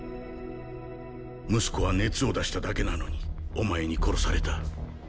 息子は熱を出しただけなのにお前に殺された。